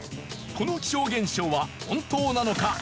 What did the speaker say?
この気象現象は本当なのか？